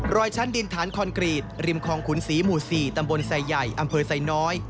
ชั้นดินฐานคอนกรีตริมคลองขุนศรีหมู่๔ตำบลไซใหญ่อำเภอไซน้อย